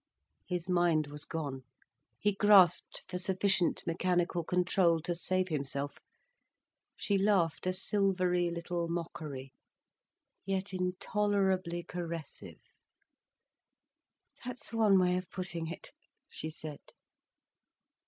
His mind was gone, he grasped for sufficient mechanical control, to save himself. She laughed a silvery little mockery, yet intolerably caressive. "That's one way of putting it," she said.